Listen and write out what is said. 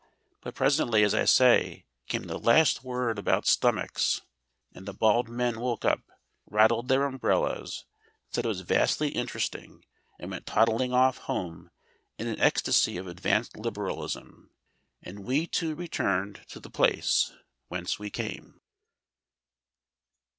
But presently, as I say, came the last word about stomachs, and the bald men woke up, rattled their umbrellas, said it was vastly interesting, and went toddling off home in an ecstasy of advanced Liberalism. And we two returned to the place whence we came.